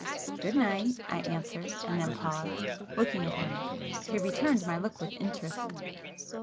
"Good night!" I answered,—and then paused, looking at him. He returned my look with interest.